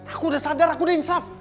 aku udah sadar aku udah insaf